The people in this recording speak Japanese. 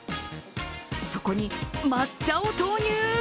そこに抹茶を投入！